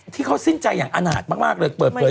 ที่เขาสิ้นใจอย่างอาหารมากเลย